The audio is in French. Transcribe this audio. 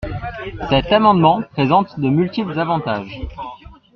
Cet amendement présente de multiples avantages.